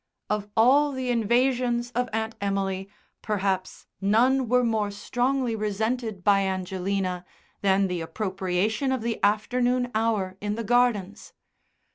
Of all the invasions of Aunt Emily, perhaps none were more strongly resented by Angelina than the appropriation of the afternoon hour in the gardens.